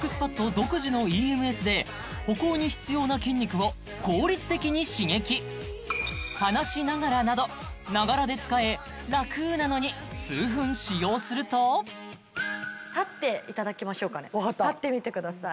独自のＥＭＳで歩行に必要な筋肉を効率的に刺激話しながらなどながらで使えラクなのに立っていただきましょうかね分かった立ってみてください